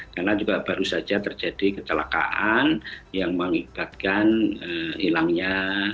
karena juga baru saja terjadi kecelakaan yang mengibatkan hilangnya